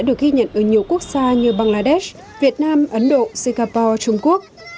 ở nhiều quốc gia như bangladesh việt nam ấn độ singapore trung quốc